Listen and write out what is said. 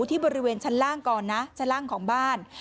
ที่บริเวณชั้นล่างก่อนนะชั้นล่างของบ้าน